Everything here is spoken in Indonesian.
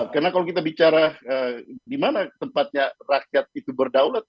karena kalau kita bicara di mana tempatnya rakyat itu berdaulat